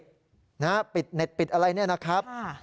รวมห้าปิดเน็ตปิดอะไรนี่นะครับ